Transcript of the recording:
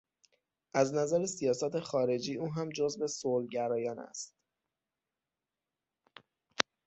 از نظر سیاست خارجی او هم جزو صلح گرایان است.